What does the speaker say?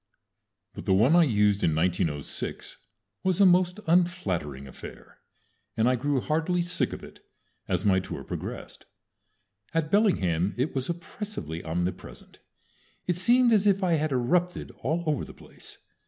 But the one I used in 1906 was a most unflattering affair, and I grew heartily sick of it as my tour progressed. At Bellingham it was oppressively omnipresent. It seemed as if I had erupted all over the place.